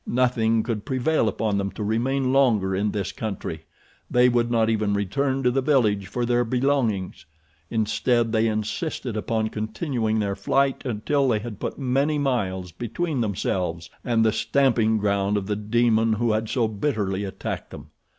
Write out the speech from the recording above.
Nothing could prevail upon them to remain longer in this country. They would not even return to the village for their belongings. Instead they insisted upon continuing their flight until they had put many miles between themselves and the stamping ground of the demon who had so bitterly attacked them.